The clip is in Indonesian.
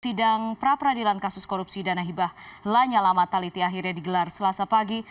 sidang praperadilan kasus korupsi danahibah lanyala mataliti akhirnya digelar selasa pagi